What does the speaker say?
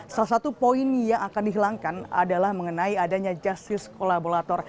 salah satu poin yang akan dihilangkan adalah mengenai adanya justice kolaborator